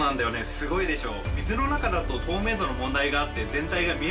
すごいでしょ。